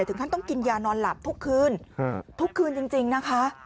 ท่านต้องกินยานอนหลับทุกคืนทุกคืนจริงนะคะ